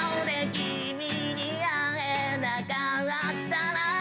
君に会えなかったら